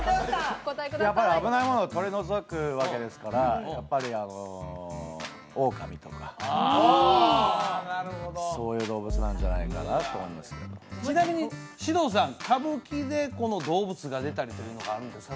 やっぱり危ないものを取り除くわけですからやっぱりあのそういう動物なんじゃないかなと思いますけどちなみに獅童さん歌舞伎でこの動物が出たりというのがあるんですか？